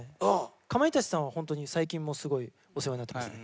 かまいたちさんはホントに最近もすごいお世話になってますね。